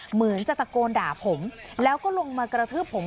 เหมือนจะตะโกนด่าผมแล้วก็ลงมากระทืบผม